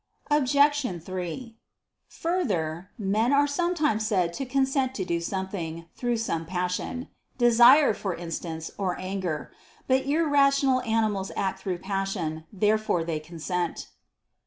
Obj. 3: Further, men are sometimes said to consent to do something, through some passion; desire, for instance, or anger. But irrational animals act through passion. Therefore they consent.